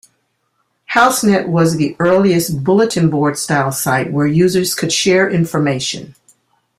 HouseNet was the earliest bulletin-board style site where users could share information.